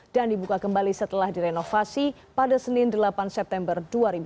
dan dibuka kembali setelah direnovasi pada senin delapan september dua ribu tiga